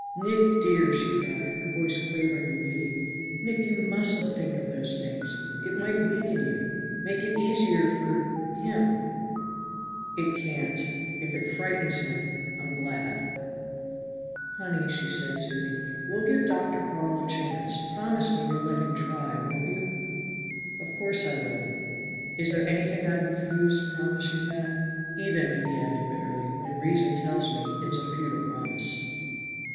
"Nick dear!" she cried, her voice quavering in pity. "Nick, you mustn't think of those things! It might weaken you make it easier for him!" "It can't. If it frightens him, I'm glad." "Honey," she said soothingly, "we'll give Dr. Carl a chance. Promise me you'll let him try, won't you?" "Of course I will. Is there anything I'd refuse to promise you, Pat? Even," he added bitterly, "when reason tells me it's a futile promise."